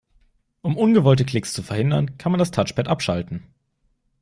Um ungewollte Klicks zu verhindern, kann man das Touchpad abschalten.